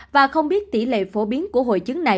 và không biết tỷ lệ phổ biến của hội chứng này